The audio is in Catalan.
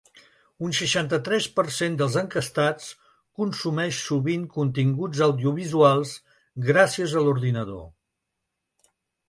Un seixanta-tres per cent dels enquestats consumeix sovint continguts audiovisuals gràcies a l’ordinador.